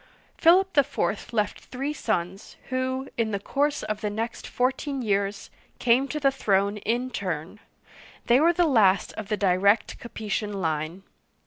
Philip IV. left three sons, who, in the course of the next fourteen years, came to the throne in turn ; they were the last of the direct Capetian line.